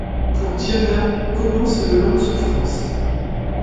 Pour Gianna commencent de longues souffrances.